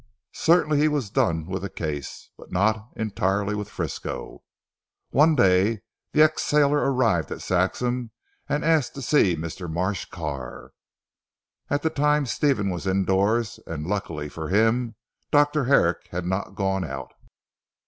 Certainly he was done with the case, but not entirely with Frisco. One day the ex sailor arrived at Saxham, and asked to see Mr. Marsh Carr. At the time Stephen was indoors, and luckily for him Dr. Herrick had not gone out.